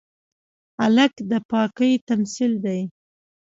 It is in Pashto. هلک د پاکۍ تمثیل دی.